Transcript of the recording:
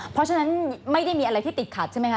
เพราะฉะนั้นไม่ได้มีอะไรที่ติดขัดใช่ไหมค